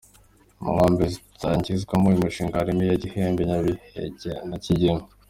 Mu nkambi zizatangirizwamo uyu mushinga harimo iya Gihembe, Nyabiheke na Kigeme.